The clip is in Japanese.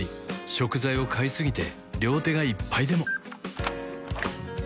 食材を買いすぎて両手がいっぱいでも